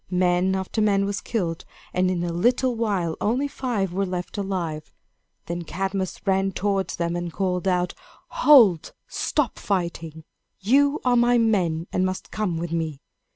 Man after man was killed, and in a little while only five were left alive. Then Cadmus ran towards them and called out: "Hold! Stop fighting! You are my men, and must come with me.